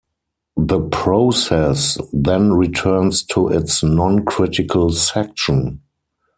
The process then returns to its non-critical section.